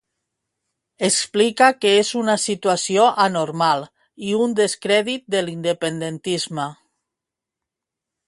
Explica que és una situació anormal i un descrèdit de l'independentisme.